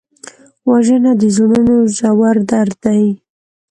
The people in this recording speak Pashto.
وژنه د زړونو ژور درد دی